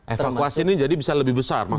evakuasi ini jadi bisa lebih besar